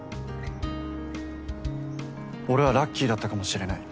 俺はラッキーだったかもしれない。